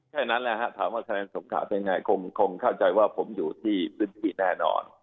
แค่นั้นแหละฮะถามว่าแสดงสงขาเป็นยังไงคงเข้าใจว่าผมอยู่ที่พื้นที่แน่นอน